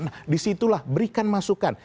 nah disitulah berikan masukan